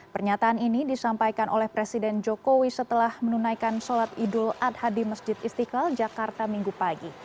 pernyataan ini disampaikan oleh presiden jokowi setelah menunaikan sholat idul adha di masjid istiqlal jakarta minggu pagi